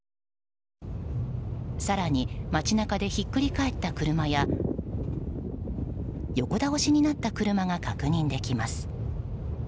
更に、街中でひっくり返った車や横倒しになった車が確認できます。